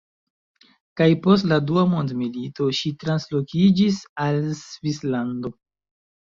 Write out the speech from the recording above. Kaj post la dua mondmilito, ŝi translokiĝis al Svislando.